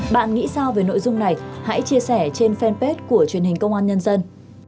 bạn nghĩ sao về nội dung này hãy chia sẻ trên fanpage của truyền hình công an nhân dân